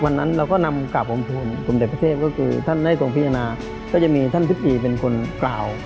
วันนั้นเราก็นำกราบองค์สมเด็จพระเทพก็คือท่านได้ทรงพิจารณาก็จะมีท่านทิพดีเป็นคนกล่าว